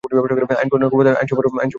আইন প্রণয়নের ক্ষমতা আইনসভার উপর ন্যস্ত।